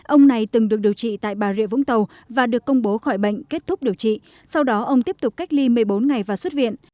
ông này từng được điều trị tại bà rịa vũng tàu và được công bố khỏi bệnh kết thúc điều trị sau đó ông tiếp tục cách ly một mươi bốn ngày và xuất viện